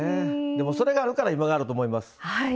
それがあるから今があると思います。